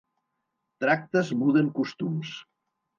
Tractes muden costums.